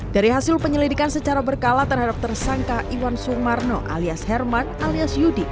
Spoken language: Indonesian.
dari hasil penyelidikan secara berkala terhadap tersangka iwan sumarno alias herman alias yudi